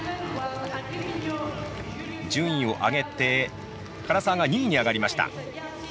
順位を上げて唐澤が２位に上がりました。